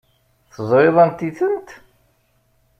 Teẓriḍ anti-tent?